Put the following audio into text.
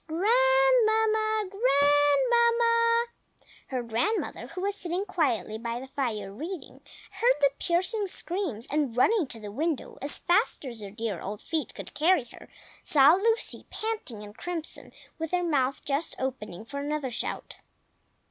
Grandmamma!! GrandMAMMA!!!" Her grandmother, who was sitting quietly by the fire, reading, heard the piercing screams, and running to the window as fast as her dear old feet could carry her, saw Lucy, panting and crimson, with her mouth just opening for another shout.